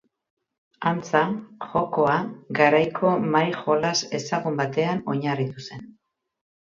Antza, jokoa garaiko mahai-jolas ezagun batean oinarritu zen.